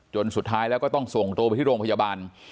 สุดท้ายแล้วก็ต้องส่งตัวไปที่โรงพยาบาล